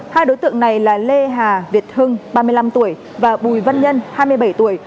hai đối tượng này là lê hà việt hưng ba mươi năm tuổi và bùi văn nhân hai mươi bảy tuổi